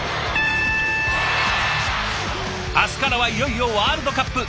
明日からはいよいよワールドカップ。